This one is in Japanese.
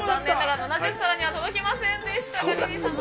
７０皿には届きませんでした。